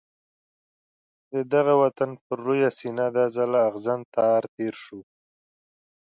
د دغه وطن پر لویه سینه دا ځل اغزن تار تېر شو.